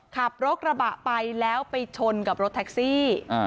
ขับรถกระบะไปแล้วไปชนกับรถแท็กซี่